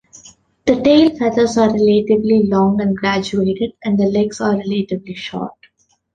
The tail feathers are relatively long and graduated and the legs are relatively short.